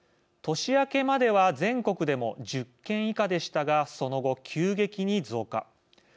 年明けまでは全国でも１０件以下でしたがその後、急激に増加。